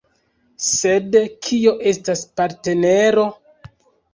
Sed kio estas partnero?